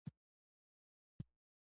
استاد د شاګرد وړتیا تقویه کوي.